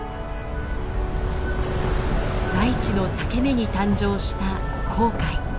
大地の裂け目に誕生した紅海。